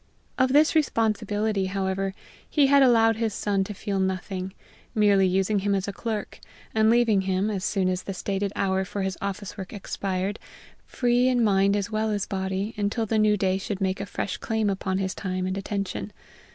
Of this responsibility, however, he had allowed his son to feel nothing, merely using him as a clerk, and leaving him, as soon as the stated hour for his office work expired, free in mind as well as body, until the new day should make a fresh claim upon his time and attention.